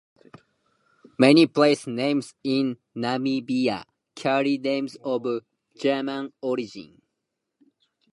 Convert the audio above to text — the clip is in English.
Many place names in Namibia carry names of German origin.